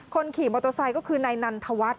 คนขี่มอเตอร์ไซค์ก็คือนายนันทวัฒน